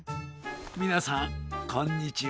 みなさんこんにちは。